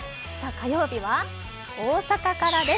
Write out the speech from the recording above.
火曜日は大阪からです。